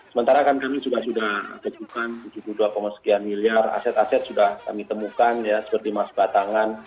sementara kan kami sudah teguhkan tujuh puluh dua sekian miliar aset aset sudah kami temukan ya seperti mas batangan